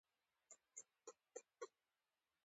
دا اخلاقي سقوط دی.